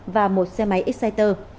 và một xe máy exciter